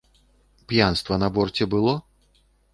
П'янства на борце было?